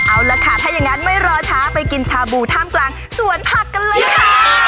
เอาล่ะค่ะถ้าอย่างนั้นไม่รอช้าไปกินชาบูท่ามกลางสวนผักกันเลยค่ะ